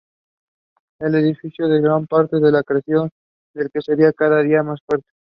Esto definió en gran parte la creación del que sería "Cada día más fuerte".